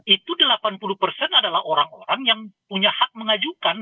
itu delapan puluh persen adalah orang orang yang punya hak mengajukan